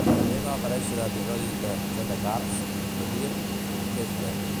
També va aparèixer a episodis de "Z-Cars", "The Bill" i "Kessler".